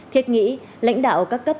thiệt nghĩ lãnh đạo các cấp